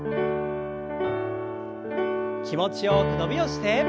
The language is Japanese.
気持ちよく伸びをして。